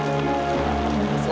terima kasih ya